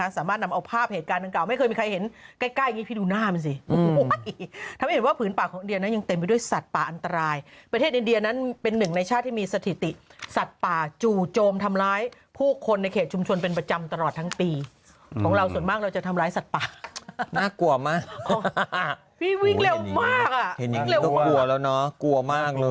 สามารถนำเอาภาพเหตุการณ์ดังกล่าไม่เคยมีใครเห็นใกล้ใกล้อย่างนี้พี่ดูหน้ามันสิทำให้เห็นว่าผืนป่าของอินเดียนะยังเต็มไปด้วยสัตว์ป่าอันตรายประเทศอินเดียนั้นเป็นหนึ่งในชาติที่มีสถิติสัตว์ป่าจู่โจมทำร้ายผู้คนในเขตชุมชนเป็นประจำตลอดทั้งปีของเราส่วนมากเราจะทำร้ายสัตว์ป่าน่ากลัวมากพี่วิ่งเร็วมากอ่ะ